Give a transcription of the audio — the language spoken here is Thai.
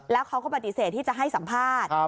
แล้วเขาก็ปฏิเสธที่จะให้สัมภาษณ์